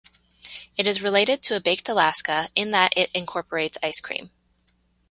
It is related to a Baked Alaska in that it incorporates ice cream.